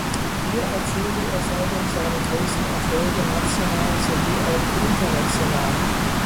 Hier erzielte er seitdem seine größten Erfolge national sowie auch international.